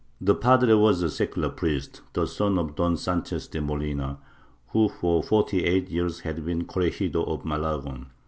The padre was a secular priest, the son of Don Sc4nchez de Molina, who for forty eight years had been corregidor of Malagon.